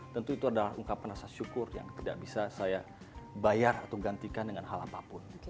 tentu itu adalah ungkapan rasa syukur yang tidak bisa saya bayar atau gantikan dengan hal apapun